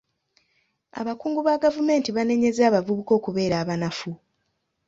Abakungu ba gavumenti baanenyezza abavubuka okubeera abanafu.